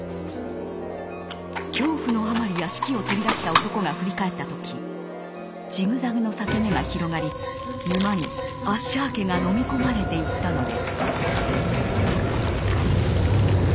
恐怖のあまり屋敷を飛び出した男が振り返った時ジグザグの裂け目が広がり沼にアッシャー家が飲み込まれていったのです。